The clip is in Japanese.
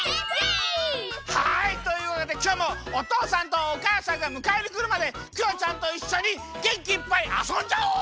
はいというわけできょうもおとうさんとおかあさんがむかえにくるまでクヨちゃんといっしょにげんきいっぱいあそんじゃおう！